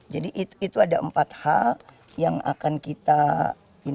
jadi itu ada empat hal yang akan kita inikan